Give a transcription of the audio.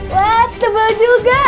wah tebal juga